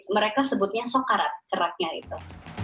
mereka sebutnya sokarat seratnya itu